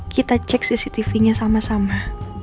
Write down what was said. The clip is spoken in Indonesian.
kita cek cctv nya sama sama